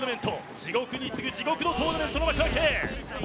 地獄に次ぐ地獄のトーナメントの幕開け。